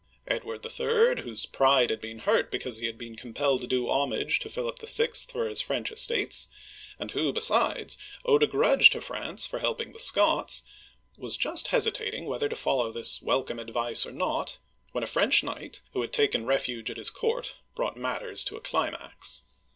Edward III., whose pride had been hurt because he had been compelled to do homage to Philip VI. for his French estates, and who, besides, owed a grudge to France for helping the Scots, was just hesitating whether to follow this welcome advice or not, when a French knight, who had taken refuge at his court, brought matters to a climax.